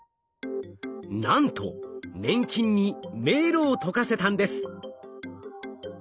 なんと粘菌に迷路を解かせたんです！